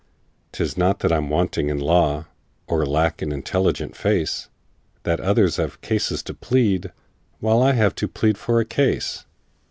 "'Tis not that I'm wanting in law, Or lack an intelligent face, That others have cases to plead, While I have to plead for a case.